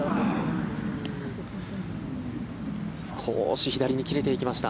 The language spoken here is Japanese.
少し左に切れていきました。